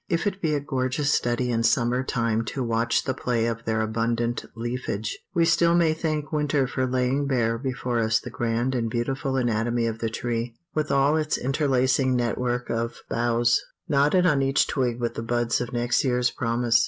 If it be a gorgeous study in summer time to watch the play of their abundant leafage, we still may thank winter for laying bare before us the grand and beautiful anatomy of the tree, with all its interlacing network of boughs, knotted on each twig with the buds of next year's promise.